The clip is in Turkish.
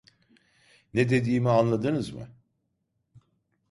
Ne dediğimi anladınız mı?